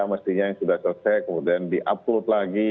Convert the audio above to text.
mestinya yang sudah selesai kemudian di upload lagi